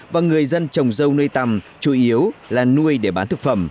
và người dân trồng dâu nuôi tầm chủ yếu là nuôi để bán thực phẩm